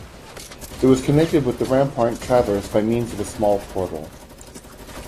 It was connected with the rampart traverse by means of a small portal.